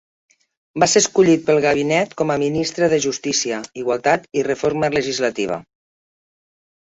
Va ser escollit pel gabinet com a Ministre de justícia, igualtat i reforma legislativa.